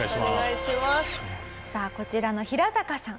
さあこちらのヒラサカさん